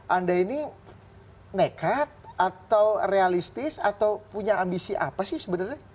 anda ini nekat atau realistis atau punya ambisi apa sih sebenarnya